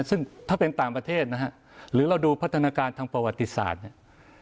ซึ่งถ้าเป็นต่างประเทศนะฮะหรือเราดูพัฒนาการทางประวัติศาสตร์เนี่ย